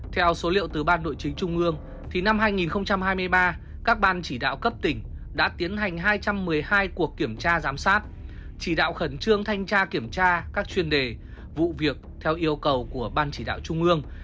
theo số liệu từ ban nội chính trung ương năm hai nghìn hai mươi ba các ban chỉ đạo cấp tỉnh đã tiến hành hai trăm một mươi hai cuộc kiểm tra giám sát chỉ đạo khẩn trương thanh tra kiểm tra các chuyên đề vụ việc theo yêu cầu của ban chỉ đạo trung ương